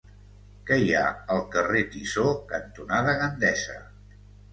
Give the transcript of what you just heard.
Què hi ha al carrer Tissó cantonada Gandesa?